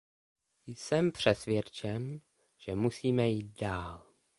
Jsem přesvědčen, že musíme jít dál.